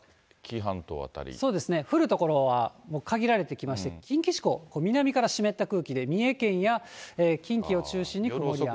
そうですね、降る所はもう限られてきまして、近畿地方、南から湿った空気で、三重県や近畿を中心に雨。